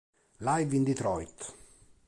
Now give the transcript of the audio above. Live in Detroit